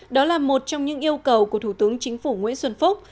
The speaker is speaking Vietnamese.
đó là một trong những yêu cầu của thủ tướng chính phủ nguyễn xuân phúc